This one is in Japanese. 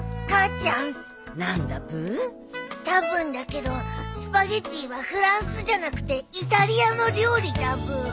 たぶんだけどスパゲティはフランスじゃなくてイタリアの料理だブー。